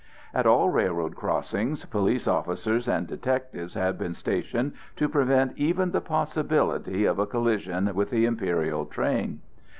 At all railroad crossings police officers and detectives had been stationed to prevent even the possibility of a collision with the imperial train.